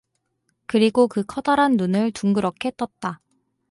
그리고 그 커다란 눈을 둥그렇게 떴다.